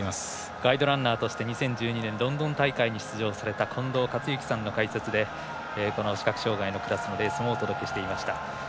ガイドランナーとして２０１２年ロンドン大会に出場された近藤克之さんの解説で、この視覚障がいのクラスのレースをお届けしていました。